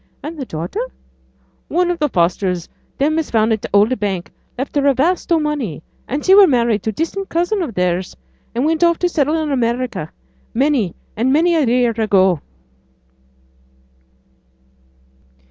'And the daughter?' 'One o' th' Fosters, them as founded t' Old Bank, left her a vast o' money; and she were married to distant cousin of theirs, and went off to settle in America many and many a year ago.'